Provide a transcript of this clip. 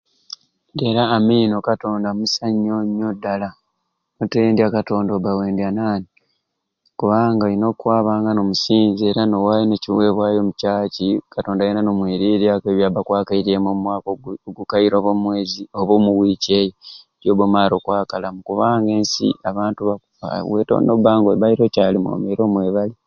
Era amina o katonda musai nyo nyo ddala notendya katonda oba wayendya naani kubanga olina okwabanga n'omusinza era n'owaayo n'ekiweebwayo omu ccaaci o katonda yeena n'omwiriryaku okwebyo byabba akwakairyemu omu mwaka ogubogukaire ob'omwezi oba wiiki gyobba omaale okwakalamu kubanga ensi abantu bakufa we te nobba nga obbaaire okyali mwomi era omwebalya.